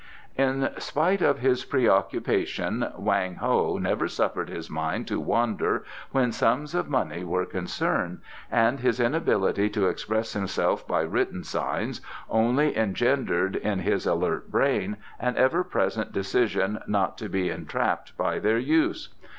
In spite of his preoccupation Wang Ho never suffered his mind to wander when sums of money were concerned, and his inability to express himself by written signs only engendered in his alert brain an ever present decision not to be entrapped by their use.